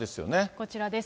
こちらです。